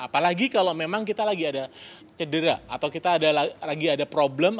apalagi kalau memang kita lagi ada cedera atau kita lagi ada problem